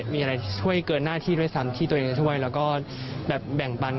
มีอะไรช่วยเกินหน้าที่ด้วยซ้ำที่ตัวเองจะช่วยแล้วก็แบบแบ่งปัน